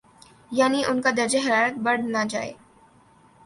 یعنی ان کا درجہ حرارت بڑھ جانے